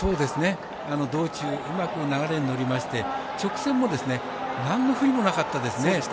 道中うまく流れに乗りまして直線もなんの不利もなかったですね。